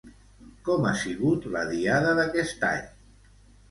Com ha sigut la diada d'aquest any?